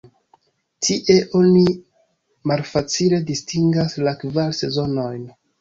Tie oni malfacile distingas la kvar sezonojn.